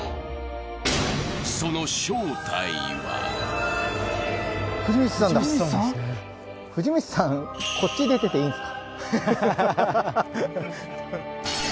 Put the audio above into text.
その正体は藤光さん、こっち出てていいんですか？